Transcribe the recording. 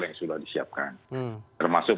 yang sudah disiapkan termasuk